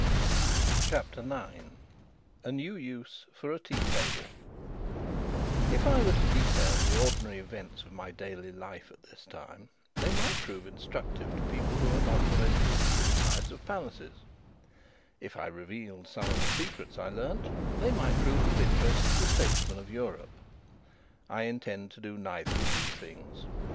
CHAPTER 9 A New Use for a Tea table If I were to detail the ordinary events of my daily life at this time, they might prove instructive to people who are not familiar with the inside of palaces; if I revealed some of the secrets I learnt, they might prove of interest to the statesmen of Europe. I intend to do neither of these things.